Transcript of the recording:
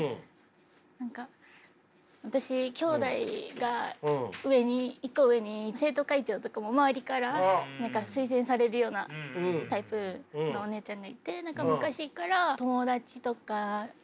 何か私姉妹が上に１個上に生徒会長とかも周りから推薦されるようなタイプのお姉ちゃんがいて。